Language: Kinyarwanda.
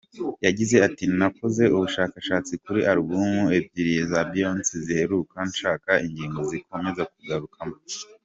Yagize ati "Nakoze ubushakashatsi kuri album ebyiri za Beyoncé ziheruka nshaka ingingo zikomeza kugarukamo.